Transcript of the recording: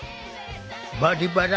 「バリバラ」